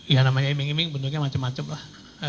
ya namanya iming iming bentuknya macam macam lah